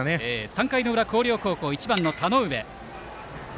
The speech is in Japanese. ３回の裏、広陵高校１番、田上。